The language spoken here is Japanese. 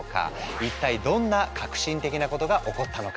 一体どんな革新的なことが起こったのか？